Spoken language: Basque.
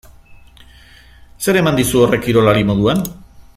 Zer eman dizu horrek kirolari moduan?